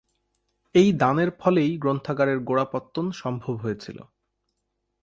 এই দানের ফলেই গ্রন্থাগারের গোড়াপত্তন সম্ভব হয়েছিল।